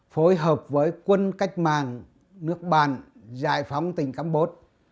phối hợp với quân cách mạng nước bạn giải phóng tỉnh campuchia